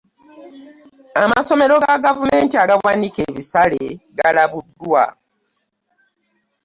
Amasomero ga gavumenti agawanika ebisale galabiddwa.